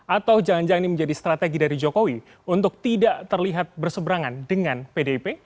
atau jangan jangan ini menjadi strategi dari jokowi untuk tidak terlihat berseberangan dengan pdip